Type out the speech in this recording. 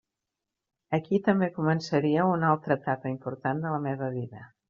Aquí també començaria una altra etapa important de la meva vida.